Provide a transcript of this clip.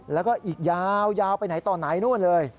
แล้วก็อีกยาวไปไหนต่อไหนนู่นเลย